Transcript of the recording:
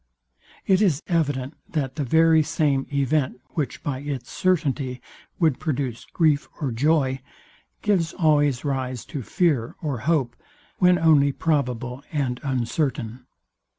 It is evident that the very same event, which by its certainty would produce grief or joy, gives always rise to fear or hope, when only probable and uncertain.